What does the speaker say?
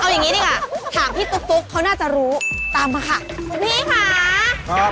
เอาอย่างงี้ดีกว่าถามพี่ตุ๊กตุ๊กเขาน่าจะรู้ตามมาค่ะสวัสดีค่ะครับ